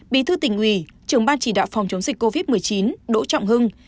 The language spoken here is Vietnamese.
bí thư tỉnh ủy trưởng ban chỉ đạo phòng chống dịch covid một mươi chín đỗ trọng hưng